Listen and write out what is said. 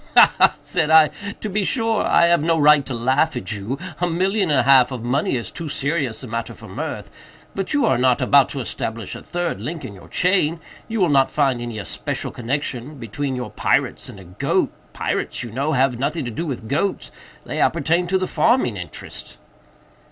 "Ha! ha!" said I, "to be sure I have no right to laugh at you—a million and a half of money is too serious a matter for mirth—but you are not about to establish a third link in your chain—you will not find any especial connexion between your pirates and a goat—pirates, you know, have nothing to do with goats; they appertain to the farming interest."